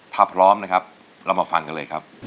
ถ้าพร้อมนะครับเรามาฟังกันเลยครับ